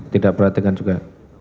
tidak perhatikan juga